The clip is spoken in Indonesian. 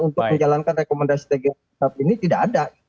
untuk menjalankan rekomendasi tgip ini tidak ada